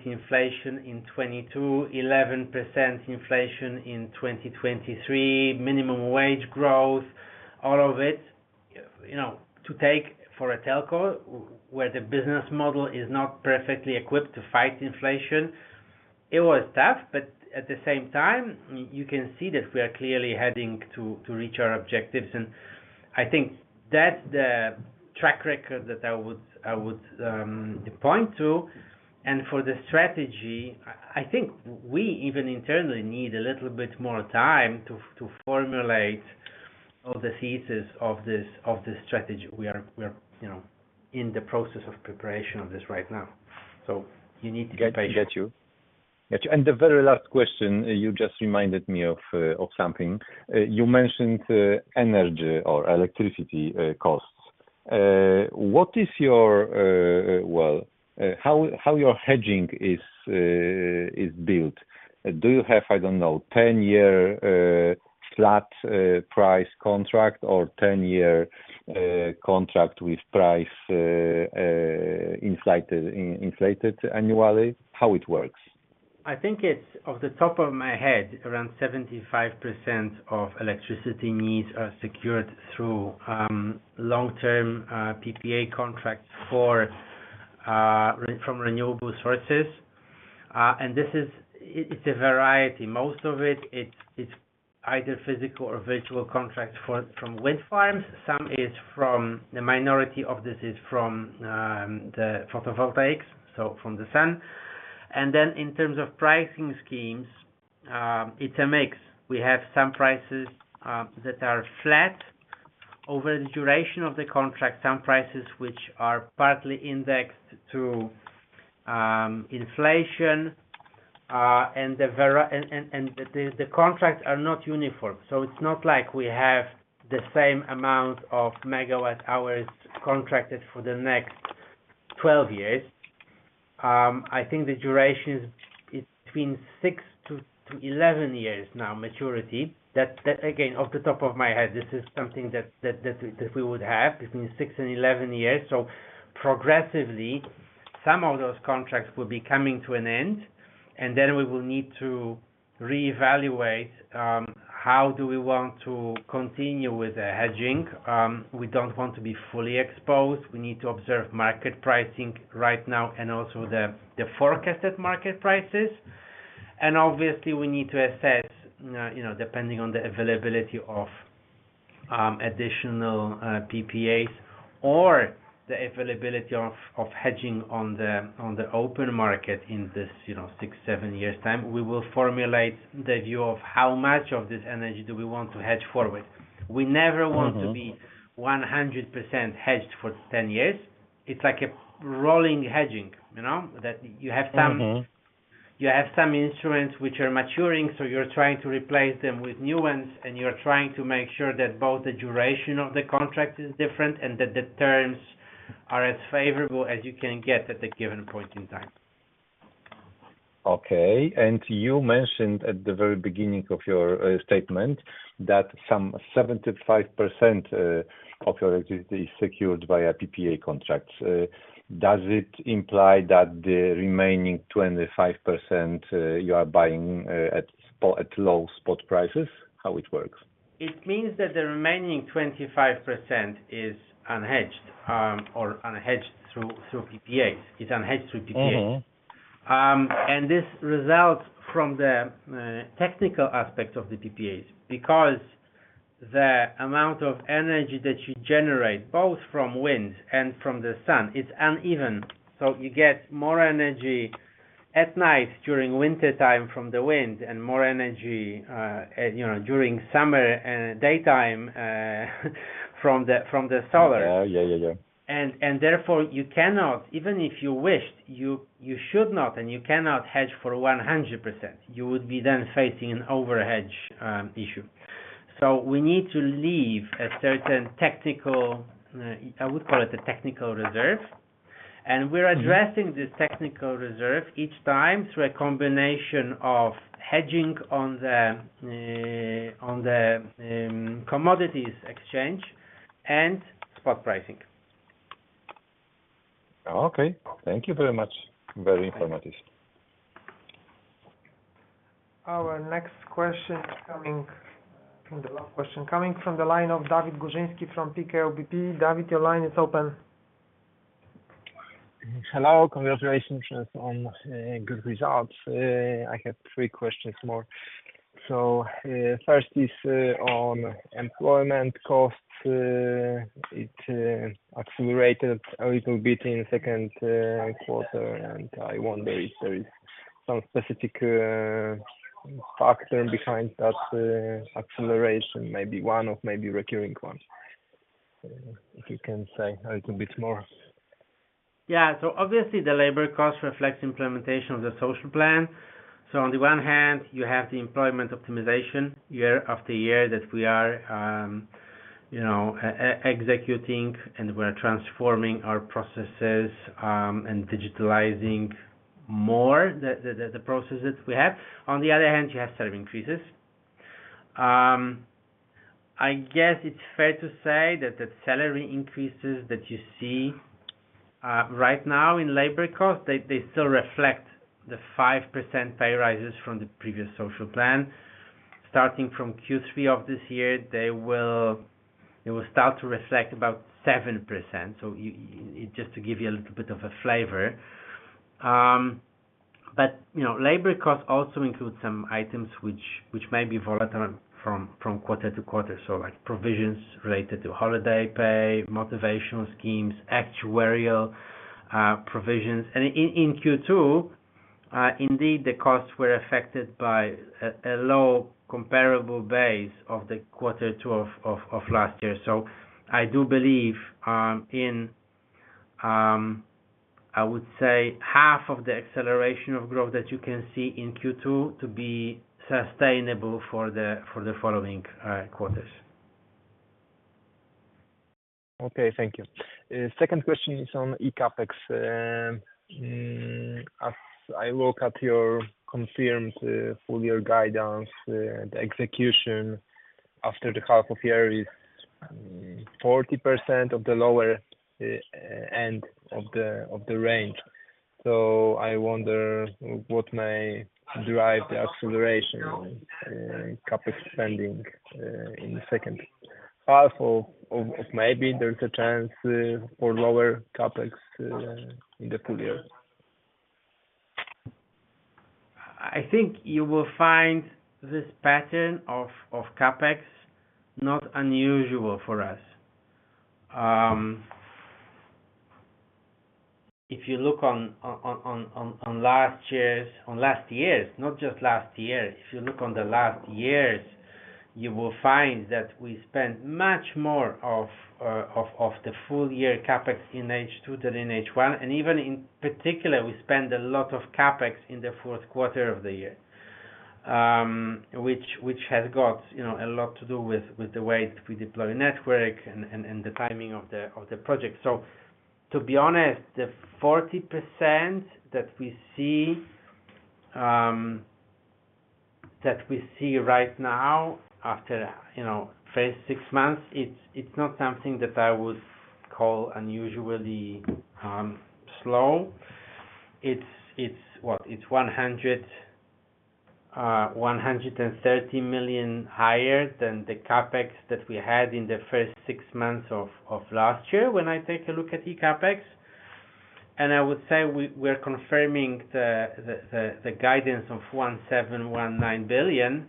inflation in 2022, 11% inflation in 2023, minimum wage growth, all of it, you know, to take for a telco where the business model is not perfectly equipped to fight inflation. It was tough, but at the same time, you can see that we are clearly heading to reach our objectives. And I think that's the track record that I would point to. And for the strategy, I think we even internally need a little bit more time to formulate all the thesis of this strategy. We are, you know, in the process of preparation of this right now. So you need to be patient. Got you. Got you. And the very last question, you just reminded me of something. You mentioned energy or electricity costs. What is your, well, how your hedging is built? Do you have, I don't know, 10-year flat price contract or 10-year contract with price inflated annually? How it works? I think it's off the top of my head, around 75% of electricity needs are secured through long-term PPA contracts from renewable sources. And this is, it's a variety. Most of it, it's either physical or virtual contracts from wind farms. Some is from the minority of this is from the photovoltaics, so from the sun. And then in terms of pricing schemes, it's a mix. We have some prices that are flat over the duration of the contract, some prices which are partly indexed to inflation, and the contracts are not uniform. So it's not like we have the same amount of megawatt hours contracted for the next 12 years. I think the duration is between six to 11 years now maturity. That again, off the top of my head, this is something that we would have between six and 11 years. So progressively, some of those contracts will be coming to an end, and then we will need to reevaluate how do we want to continue with the hedging. We don't want to be fully exposed. We need to observe market pricing right now and also the forecasted market prices. Obviously, we need to assess, you know, depending on the availability of additional PPAs or the availability of hedging on the open market in this, you know, six to seven years' time, we will formulate the view of how much of this energy do we want to hedge forward. We never want to be 100% hedged for 10 years. It's like a rolling hedging, you know, that you have some, you have some instruments which are maturing, so you're trying to replace them with new ones, and you're trying to make sure that both the duration of the contract is different and that the terms are as favorable as you can get at a given point in time. Okay. You mentioned at the very beginning of your statement that some 75% of your electricity is secured via PPA contracts. Does it imply that the remaining 25%, you are buying at spot at low spot prices? How it works? It means that the remaining 25% is unhedged, or unhedged through, through PPAs. It's unhedged through PPAs. And this results from the technical aspect of the PPAs because the amount of energy that you generate both from wind and from the sun, it's uneven. So you get more energy at night during wintertime from the wind and more energy, you know, during summer and daytime, from the, from the solar. Oh, yeah, yeah, yeah. And, and therefore, you cannot, even if you wished, you, you should not, and you cannot hedge for 100%. You would be then facing an overhedge issue. So we need to leave a certain technical, I would call it a technical reserve. And we're addressing this technical reserve each time through a combination of hedging on the commodities exchange and spot pricing. Okay. Thank you very much. Very informative. Our next question is coming from the last question coming from the line of Dawid Górzyński from PKO BP. Dawid, your line is open. Hello. Congratulations on good results. I have three questions more. So first is on employment costs. It accelerated a little bit in the second quarter, and I wonder if there is some specific factor behind that acceleration, maybe one or maybe recurring one. If you can say a little bit more. Yeah. So obviously, the labor cost reflects implementation of the social plan. So on the one hand, you have the employment optimization year after year that we are, you know, executing, and we're transforming our processes, and digitalizing more the processes that we have. On the other hand, you have salary increases. I guess it's fair to say that the salary increases that you see right now in labor costs, they still reflect the 5% pay rises from the previous social plan. Starting from Q3 of this year, they will start to reflect about 7%. So you just to give you a little bit of a flavor, but you know, labor costs also include some items which may be volatile from quarter to quarter. So like provisions related to holiday pay, motivational schemes, actuarial provisions. And in Q2, indeed, the costs were affected by a low comparable base of quarter two of last year. So I do believe, in I would say half of the acceleration of growth that you can see in Q2 to be sustainable for the following quarters. Okay. Thank you. Second question is on eCapEx. As I look at your confirmed full-year guidance, the execution after the half of year is 40% of the lower end of the range. So I wonder what may drive the acceleration in CapEx spending in the second half. Maybe there's a chance for lower CapEx in the full year. I think you will find this pattern of CapEx not unusual for us. If you look on last year's, not just last year, if you look on the last year's, you will find that we spend much more of the full-year CapEx in H2 than in H1. Even in particular, we spend a lot of CapEx in the fourth quarter of the year, which has got, you know, a lot to do with the way that we deploy network and the timing of the project. So to be honest, the 40% that we see right now after, you know, first six months, it's not something that I would call unusually slow. It's what? It's 100, 130 million higher than the CapEx that we had in the first six months of last year when I take a look at eCapEx. And I would say we're confirming the guidance of 17 billion-19 billion.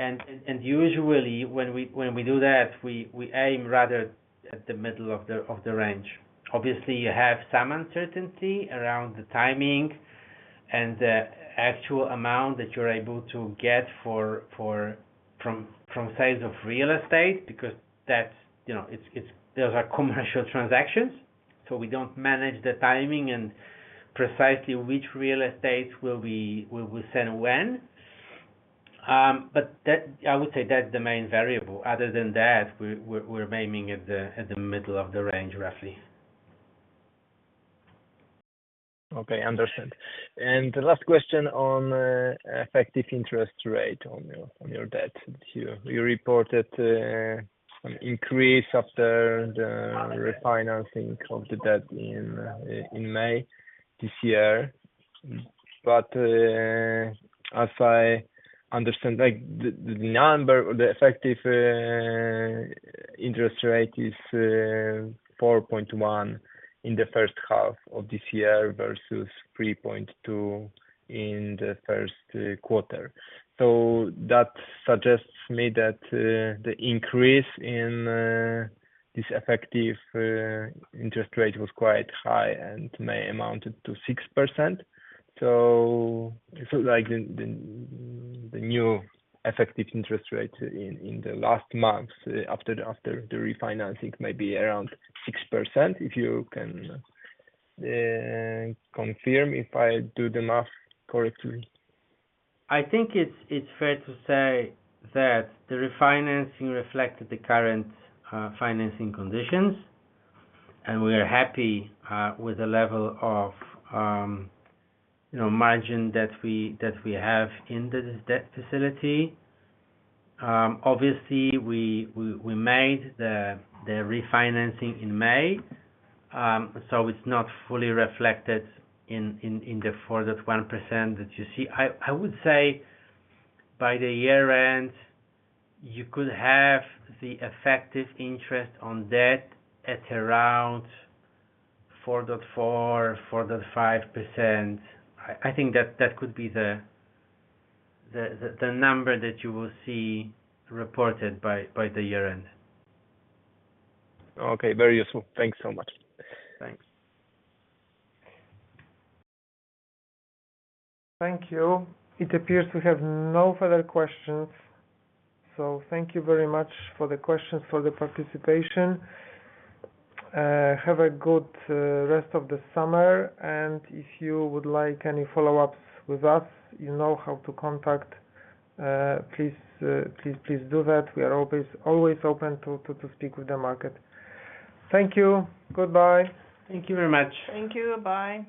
And usually when we do that, we aim rather at the middle of the range. Obviously, you have some uncertainty around the timing and the actual amount that you're able to get from sales of real estate because that's, you know, it's those are commercial transactions. So we don't manage the timing and precisely which real estate will we sell when. But that, I would say that's the main variable. Other than that, we're aiming at the middle of the range roughly. Okay. Understood. And the last question on effective interest rate on your debt. You reported an increase after the refinancing of the debt in May this year. But as I understand, like the number, the effective interest rate is 4.1 in the first half of this year versus 3.2 in the first quarter. So that suggests to me that the increase in this effective interest rate was quite high and may amount to 6%. So like the new effective interest rate in the last months after the refinancing may be around 6% if you can confirm if I do the math correctly. I think it's fair to say that the refinancing reflected the current financing conditions, and we are happy with the level of, you know, margin that we have in the debt facility. Obviously, we made the refinancing in May. So it's not fully reflected in the 4.1% that you see. I would say by the year end, you could have the effective interest on debt at around 4.4%-4.5%. I think that could be the number that you will see reported by the year end. Okay. Very useful. Thanks so much. Thanks. Thank you. It appears we have no further questions. So thank you very much for the questions, for the participation. Have a good rest of the summer. If you would like any follow-ups with us, you know how to contact, please, please, please do that. We are always open to speak with the market. Thank you. Goodbye. Thank you very much. Thank you. Bye.